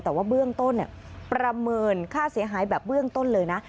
แต่ว่าเบื้องต้นประเมินค่าเสียหายแบบเบื้องต้นเลยนะ